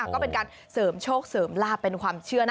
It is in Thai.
ก็เป็นการเสริมโชคเป็นความเชื่อ